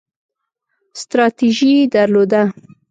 ستراتیژي درلوده